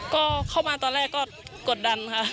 ก็เข้ามาตอนแรกก็กดดันค่ะ